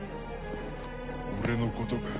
俺のことか？